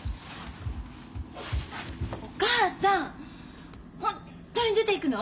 お母さんホンットに出ていくの？